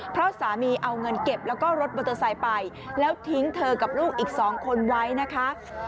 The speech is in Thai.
เพราะสามีเอาเงินเก็บแล้วก็รถมอเตอร์ไซค์ไปแล้วทิ้งเธอกับลูกอีก๒คนไว้นะคะ